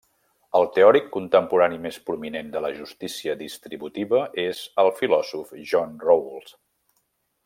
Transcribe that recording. El teòric contemporani més prominent de la justícia distributiva és el filòsof John Rawls.